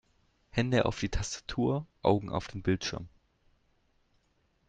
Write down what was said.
Hände auf die Tastatur, Augen auf den Bildschirm!